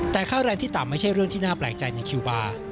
แต่ค่าแรงที่ต่ำไม่ใช่เรื่องที่น่าแปลกใจในคิวบาร์